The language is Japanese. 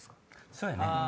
そうやね。